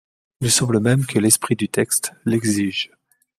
Il nous semble même que l’esprit du texte l’exige.